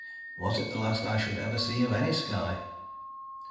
Was it the last I should ever see of any sky?